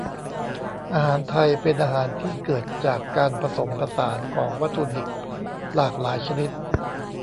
อาหารไทย เป็นอาหารที่เกิดจากการผสมผสานของวัตถุดิบหลากหลายชนิด